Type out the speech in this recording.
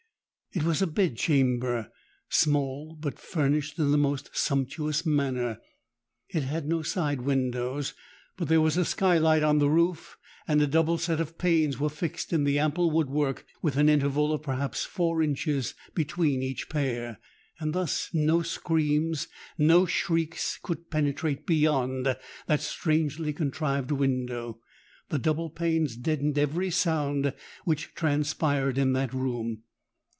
It was a bed chamber—small, but furnished in the most sumptuous manner. It had no side windows; but there was a sky light on the roof; and double sets of panes were fixed in the ample wood work, with an interval of perhaps four inches between each pair. Thus no screams—no shrieks could penetrate beyond that strangely contrived window: the double panes deadened every sound which transpired in that room.